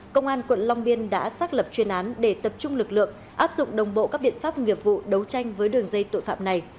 công an quận long biên đã xác lập chuyên án để tập trung lực lượng áp dụng đồng bộ các biện pháp nghiệp vụ đấu tranh với đường dây tội phạm này